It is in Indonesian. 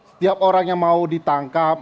setiap orang yang mau ditangkap